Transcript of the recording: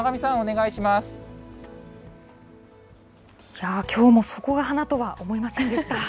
いやぁ、きょうもそこが花とは思いませんでした。